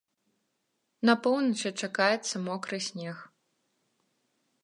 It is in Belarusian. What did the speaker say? На поўначы чакаецца мокры снег.